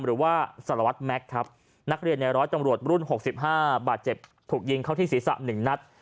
หรือว่าสารวัตรแม็กซ์ครับนักเรียนในร้อยตำรวจรุ่น๖๕บาดเจ็บถูกยิงเข้าที่ศีรษะ๑นัด